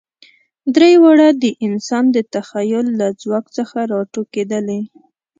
درې واړه د انسان د تخیل له ځواک څخه راټوکېدلي.